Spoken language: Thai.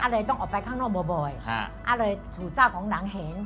เลยต้องออกไปข้างนอกบ่อยอะไรสู่เจ้าของหนังเห็น